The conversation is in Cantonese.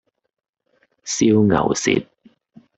燒牛舌